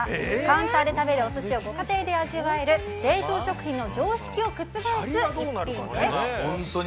カウンターで食べるお寿司をご家庭で味わえる冷凍食品の常識を覆す一品です。